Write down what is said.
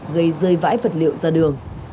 gây rơi vãi vật liệu ra đường